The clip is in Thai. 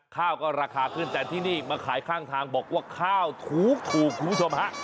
ข้าวก็ราคาขึ้นแต่ที่นี่มาขายข้างทางบอกว่าข้าวถูกคุณผู้ชมฮะ